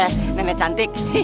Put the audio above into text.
eh nenek cantik